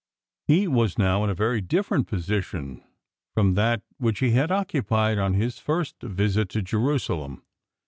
He was now in a very different position from that which he had occupied on his first visit to Jerusalem.